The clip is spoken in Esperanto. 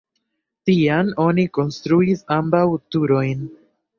Tiam oni konstruis ambaŭ turojn.